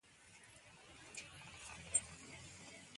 دې خبرو پر دوی باندې ډېر ژور اغېز وکړ